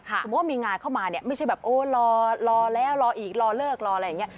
สมมุติว่ามีงานเข้ามาเนี่ยไม่ใช่แบบโอ้รอแล้วรออีกรอเลิกรออะไรอย่างนี้